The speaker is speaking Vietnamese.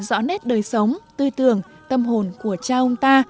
rõ nét đời sống tư tưởng tâm hồn của cháu